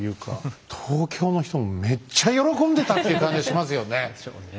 東京の人めっちゃ喜んでたっていう感じがしますよね。